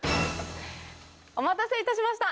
お待たせいたしました！